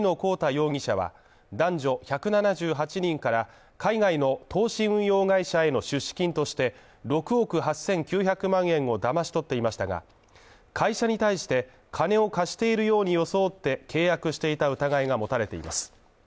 容疑者は男女１７８人から、海外の投資運用会社への出資金として６億８９００万円をだまし取っていましたが、会社に対して金を貸しているように装って契約していた疑いが持たれています。